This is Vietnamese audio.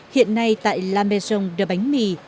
hiện nay tại la maison de bánh mì